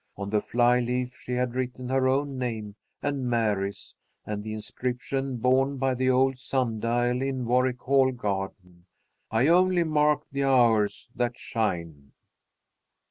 On the fly leaf she had written her own name and Mary's and the inscription borne by the old sun dial in Warwick Hall garden: "_I only mark the hours that shine.